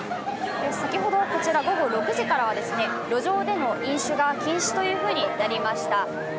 先ほど午後６時からは路上での飲酒が禁止となりました。